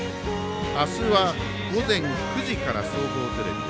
明日は午前９時から総合テレビで。